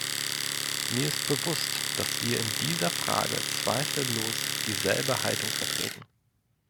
Mir ist bewusst, dass wir in dieser Frage zweifellos dieselbe Haltung vertreten.